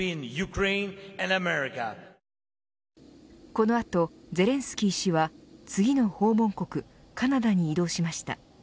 この後、ゼレンスキー氏は次の訪問国カナダに移動しました。